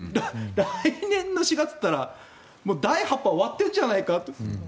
来年の４月と言ったら第８波終わってるんじゃないかって。